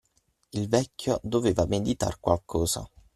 Il vecchio doveva meditar qualcosa;